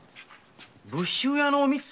武州屋の“おみつ”？